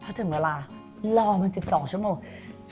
ถ้าถึงเวลารอมัน๑๒ชั่วโมง